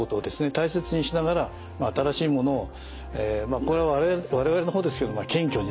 大切にしながら新しいものをこれは我々の方ですけど謙虚にですね